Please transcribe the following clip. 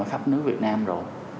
ở khắp nước việt nam rồi